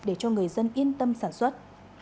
để cho người dân yên tâm sản xuất